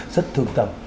rất thương tâm